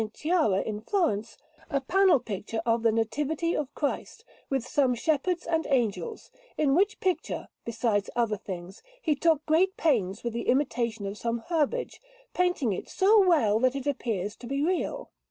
Chiara, in Florence, a panel picture of the Nativity of Christ, with some shepherds and angels; in which picture, besides other things, he took great pains with the imitation of some herbage, painting it so well that it appears to be real.